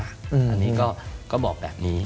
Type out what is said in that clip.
อันนี้ก็บอกแบบนี้